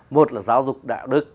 một là giáo dục đạo đức